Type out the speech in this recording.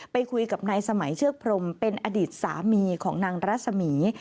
ไปคุยกับนายสมัยเชือกพรมเป็นอดีตสามีของนางรัศมี